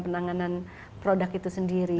penanganan produk itu sendiri